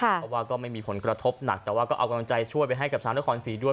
เพราะว่าก็ไม่มีผลกระทบหนักแต่ว่าก็เอากำลังใจช่วยไปให้กับชาวนครศรีด้วย